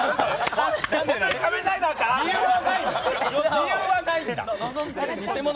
理由はないんだ？